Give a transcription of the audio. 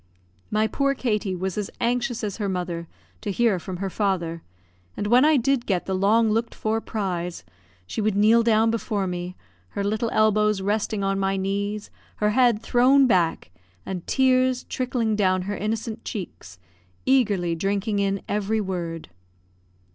My poor Katie was as anxious as her mother to hear from her father; and when I did get the long looked for prize, she would kneel down before me, her little elbows resting on my knees, her head thrown back, and tears trickling down her innocent cheeks, eagerly drinking in every word.